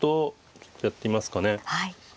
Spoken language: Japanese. ちょっとやってみますかね。